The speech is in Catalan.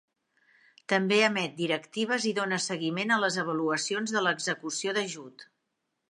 També emet directives i dóna seguiment a les avaluacions de l'execució d'ajut.